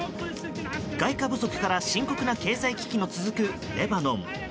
外貨不足から深刻な経済危機が続くレバノン。